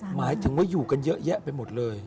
หมายถึงว่าอยู่กันเยอะแยะไปหมดเลย